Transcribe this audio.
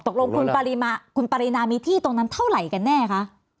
ตกลงคุณปรินามีที่ตรงนั้นเท่าไหร่กันแน่คะ